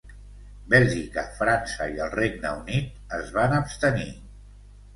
Bèlgica, França i el Regne Unit es van abstenir.